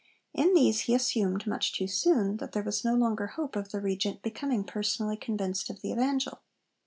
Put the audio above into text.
In these he assumed much too soon that there was no longer hope of the Regent becoming personally convinced of the Evangel.